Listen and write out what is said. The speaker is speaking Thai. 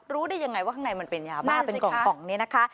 รู้ได้ยังไงว่าข้างในมันเป็นยาบ้าเป็นกล่องนี้นะคะ